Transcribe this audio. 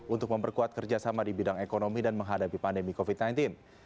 untuk memperkuat kerjasama di bidang ekonomi dan menghadapi pandemi covid sembilan belas